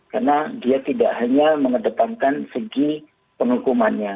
karena dia tidak hanya mengedepankan segi penghukumannya